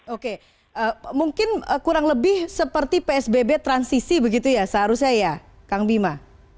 oke mungkin kurang lebih seperti psbb transisi begitu ya seharusnya ya kang bima